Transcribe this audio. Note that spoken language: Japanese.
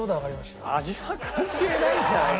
味は関係ないんじゃない？